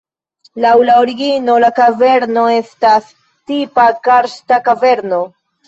Laŭ la origino la kaverno estas tipa karsta kaverno.